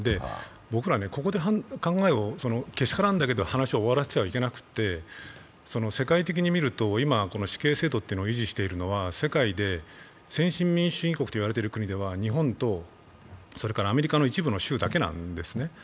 僕らここで考えを、けしからんだけで話を終わらせてはいけなくて、世界的に見ると、今、死刑制度を維持しているのは世界で先進民主主義国と言われている国では日本とアメリカの一部の州だけなんですね